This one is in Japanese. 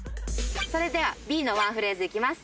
それではＢのワンフレーズいきます